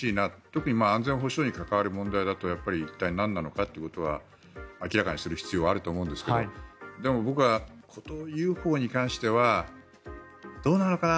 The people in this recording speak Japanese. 特に安全保障に関わる問題だと一体なんなのかかということは明らかにする必要はあると思うんですけどでも、僕はＵＦＯに関してはどうなのかな？